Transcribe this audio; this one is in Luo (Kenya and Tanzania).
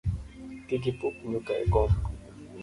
Kik ipuk nyuka e kom